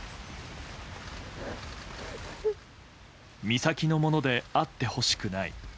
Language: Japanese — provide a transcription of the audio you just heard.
美咲のものであってほしくない。